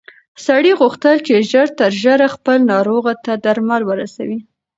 سړي غوښتل چې ژر تر ژره خپل ناروغ ته درمل ورسوي.